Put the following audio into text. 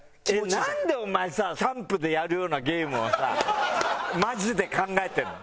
なんでお前さキャンプでやるようなゲームをさマジで考えてるの？